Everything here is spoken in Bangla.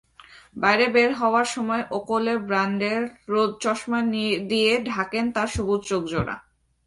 বাইরে বের হওয়ার সময় ওকলে ব্র্যান্ডের রোদচশমা দিয়ে ঢাকেন তাঁর সবুজ চোখজোড়া।